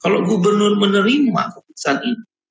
kalau gubernur menerima keputusan ini